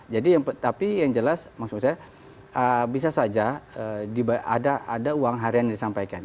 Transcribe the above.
jadi yang tapi yang jelas maksud saya bisa saja ada uang harian disampaikan